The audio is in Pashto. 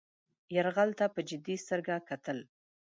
یرغل ته په جدي سترګه کتل.